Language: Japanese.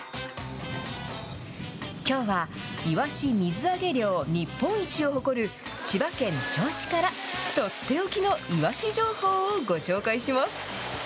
きょうは、いわし水揚げ量日本一を誇る、千葉県銚子から、とっておきのいわし情報をご紹介します。